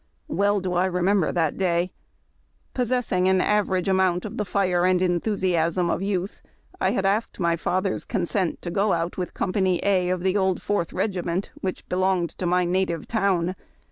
Well do I remember the day. Possessing an average amount of the fire and enthusiasm of youth, I had asked my father's consent to go out with Company A of the old Fourth Keg iment, which belonged to my native town.